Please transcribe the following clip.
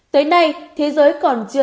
tới nay thế giới còn chưa biết được